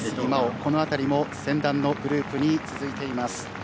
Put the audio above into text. この辺りも先団のグループに続いています。